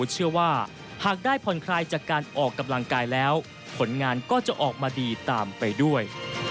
จากการออกกำลังกายแล้วผลงานก็จะออกมาดีตามไปด้วย